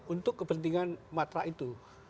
untuk kepentingan matra itu